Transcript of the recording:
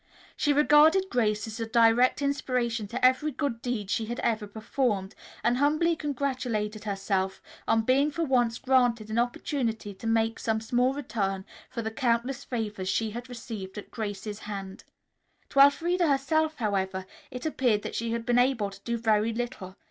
She regarded Grace as the direct inspiration to every good deed she had ever performed, and humbly congratulated herself on being for once granted an opportunity to make some small return for the countless favors she had received at Grace's hands. To Elfreda herself, however, it appeared that she had been able to do very little.